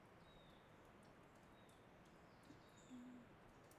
په دې پړاو کې پانګوال خپله مولده پانګه بدلوي